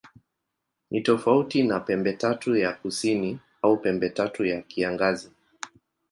Ni tofauti na Pembetatu ya Kusini au Pembetatu ya Kiangazi.